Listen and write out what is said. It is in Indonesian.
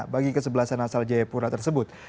bagi kesebelasan asal jayapura tersebut